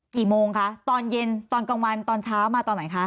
กี่โมงคะตอนเย็นตอนกลางวันตอนเช้ามาตอนไหนคะ